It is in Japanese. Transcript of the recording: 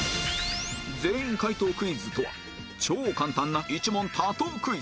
全員解答クイズとは超簡単な一問多答クイズ